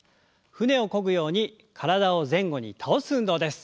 舟をこぐように体を前後に倒す運動です。